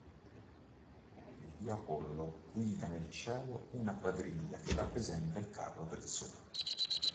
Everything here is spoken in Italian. Il dio Apollo guida nel cielo una quadriga che rappresenta il carro del Sole.